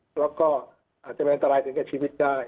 แล้วก็อาจจะเป็นอันตรายถึงกับชีวิตได้